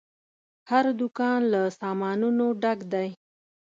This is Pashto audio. هر دوکان له سامانونو ډک دی.